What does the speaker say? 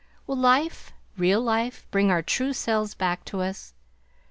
Will life, real life, bring our true selves back to us?